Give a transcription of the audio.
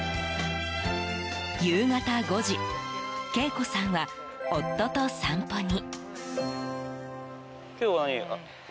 夕方５時恵子さんは夫と散歩に。